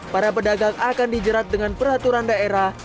para pedagang akan dijerat dengan peraturan daerah